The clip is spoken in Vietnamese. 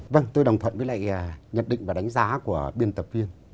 vâng tôi đồng thuận với lại nhận định và đánh giá của biên tập viên